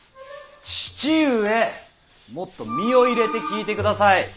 父上もっと身を入れて聞いてください。